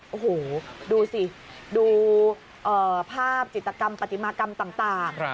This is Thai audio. โอ้โหดูสิดูภาพจิตกรรมปฏิมากรรมต่าง